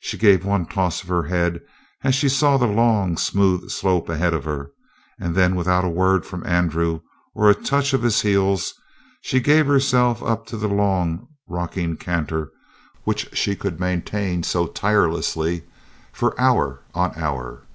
She gave one toss of her head as she saw the long, smooth slope ahead of her, and then, without a word from Andrew or a touch of his heels, she gave herself up to the long, rocking canter which she could maintain so tirelessly for hour on hour.